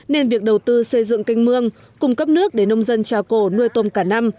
nên việc đầu tư xây dựng canh mương cung cấp nước để nông dân trà cổ nuôi tôm cả năm